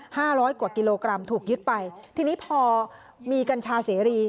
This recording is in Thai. ร้อยกว่ากิโลกรัมถูกยึดไปทีนี้พอมีกัญชาเสรี